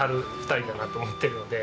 ２人だなと思っているので。